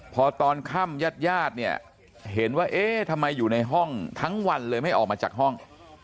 พอตอนค่ำญาติญาติเนี่ยเห็นว่าเอ๊ะทำไมอยู่ในห้องทั้งวันเลยไม่ออกมาจากห้อง